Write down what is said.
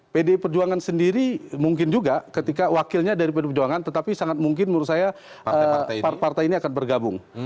pdi perjuangan sendiri mungkin juga ketika wakilnya dari pdi perjuangan tetapi sangat mungkin menurut saya partai ini akan bergabung